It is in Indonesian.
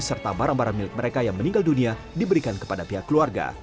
serta barang barang milik mereka yang meninggal dunia diberikan kepada pihak keluarga